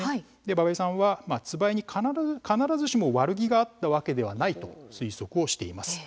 馬部さんは椿井に必ずしも悪気があったわけではないと推測しています。